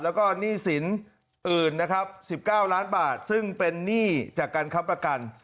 แล้วก็หนี้สินอื่นนะครับ๑๙ล้านบาทซึ่งเป็นหนี้จากการค้ำประกัน